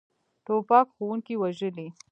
توپک ښوونکي وژلي.